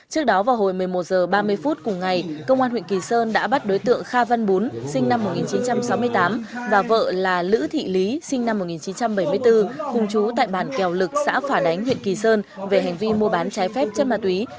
trước đó vào hồi một mươi một h ba mươi phút cùng ngày công an huyện kỳ sơn đã bắt đối tượng kha văn bún sinh năm một nghìn chín trăm sáu mươi tám và vợ là lữ thị lý sinh năm một nghìn chín trăm bảy mươi bốn cùng chú tại bản kèo lực xã phả đánh huyện kỳ sơn về hành vi mua bán trái phép chất ma túy